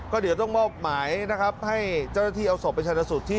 ก็เดี๋ยวต้องมอบหมายนะครับให้เจ้าหน้าที่เอาสมเป็นชันสุทธิ์